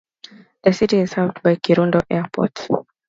The city is served by Kirundo Airport.